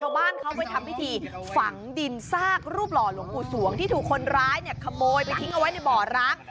ชาวบ้านเขาไปทำพิธีฝังดินซากรูปหล่อหลวงปู่สวงที่ถูกคนร้ายเนี่ยขโมยไปทิ้งเอาไว้ในบ่อร้าง